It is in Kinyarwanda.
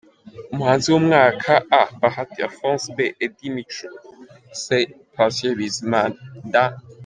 Umuhanzi w’umwaka a Bahati Alphonse b Eddie Mico c Patient Bizimana d.